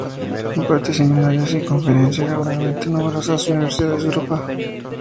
Imparte seminarios y conferencias regularmente en numerosas universidades de Europa.